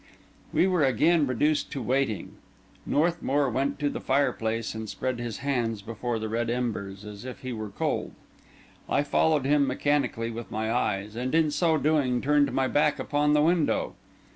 We were again reduced to waiting. Northmour went to the fireplace and spread his hands before the red embers, as if he were cold. I followed him mechanically with my eyes, and in so doing turned my back upon the window.